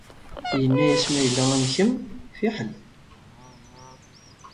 Yenna-yas ma yella am kemm, fiḥel.